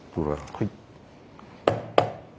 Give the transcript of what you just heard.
はい。